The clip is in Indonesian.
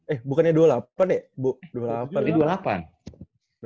eh bukannya dua puluh delapan ya bu dua puluh delapan ini dua puluh delapan